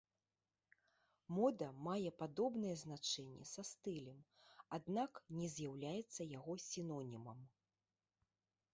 Мода мае падобнае значэнне са стылем, аднак не з'яўляецца яго сінонімам.